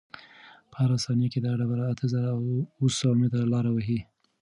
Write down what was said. په هره ثانیه کې دا ډبره اته زره اوه سوه متره لاره وهي.